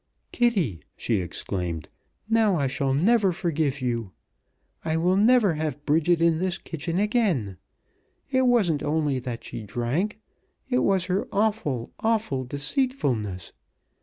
"Kitty!" she exclaimed. "Now I shall never forgive you! I will never have Bridget in this kitchen again! It wasn't only that she drank, it was her awful, awful deceitfulness.